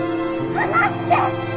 離して！